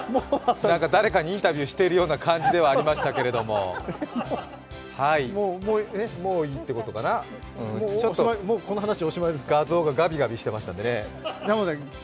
誰かにインタビューしているような感じではありましたけれども、もういいってことかな、ちょっと画像がガビガビしてましたんでね。